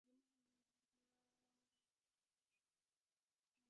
މިނޫނަސް މާލެއިން ކުރަންޖެހޭ